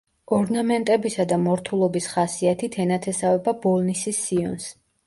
ორნამენტებისა და მორთულობის ხასიათით ენათესავება ბოლნისის სიონს.